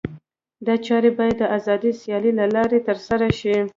دا چارې باید د آزادې سیالۍ له لارې ترسره شي.